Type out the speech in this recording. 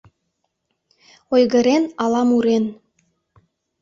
Ойгырен ала мурен